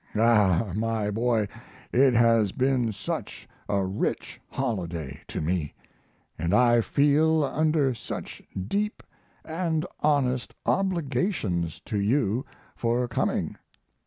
Ah, my boy! it has been such a rich holiday to me, and I feel under such deep and honest obligations to you for coming.